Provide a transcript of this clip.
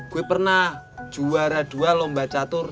gue pernah juara dua lomba catur